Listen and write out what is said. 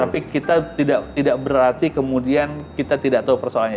tapi kita tidak berarti kemudian kita tidak tahu persoalannya